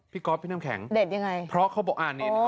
พี่ก๊อฟพี่น้ำแข็งเด็ดยังไง